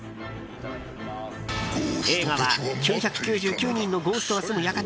映画は９９９人のゴーストが住む館